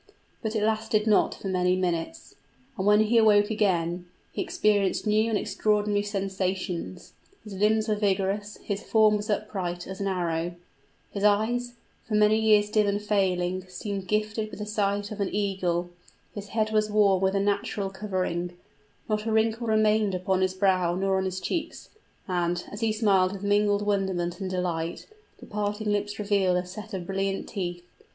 But it lasted not for many minutes; and when he awoke again, he experienced new and extraordinary sensations. His limbs were vigorous, his form was upright as an arrow; his eyes, for many years dim and failing, seemed gifted with the sight of an eagle, his head was warm with a natural covering; not a wrinkle remained upon his brow nor on his cheeks; and, as he smiled with mingled wonderment and delight, the parting lips revealed a set of brilliant teeth.